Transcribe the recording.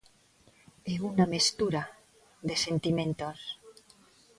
É unha mestura de sentimentos.